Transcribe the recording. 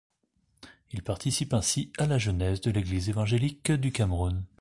Il participe ainsi à la genèse de l'Église évangélique du Cameroun.